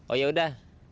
oh ya udah